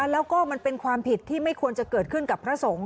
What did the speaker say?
แล้วก็มันเป็นความผิดที่ไม่ควรจะเกิดขึ้นกับพระสงฆ์